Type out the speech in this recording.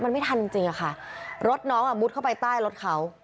มันไม่ทันจริงจริงอะค่ะรถน้องอ่ะมุดเข้าไปใต้รถเขา